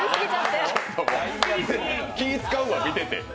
気使うわ、見てて。